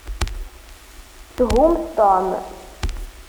Shumt Tom!